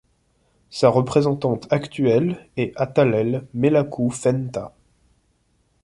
Sa représentante actuelle est Atalel Melaku Fenta.